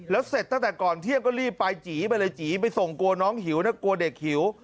แล้วเสร็จตั้งแต่ก่อนเที่ยงก็รีบไปจีไปเลยจีไปส่งกลัวน้องหิวนะกลัวเด็กหิว